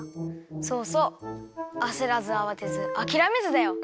そうそうあせらずあわてずあきらめずだよ。